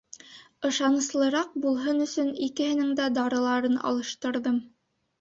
Ышаныслыраҡ булһын өсөн икеһенең дә дарыларын алыштырҙым.